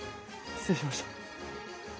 失礼しました。